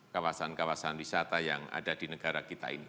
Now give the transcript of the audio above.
kawasan kawasan wisata yang ada di negara kita ini